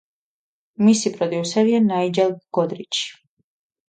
მისი პროდიუსერია ნაიჯელ გოდრიჩი.